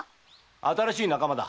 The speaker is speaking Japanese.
新しい仲間だ。